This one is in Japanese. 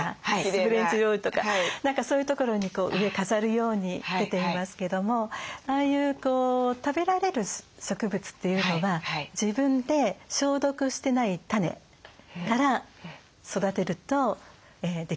フレンチ料理とか何かそういうところに上飾るように出ていますけどもああいう食べられる植物というのは自分で消毒してない種から育てるとできるんですね。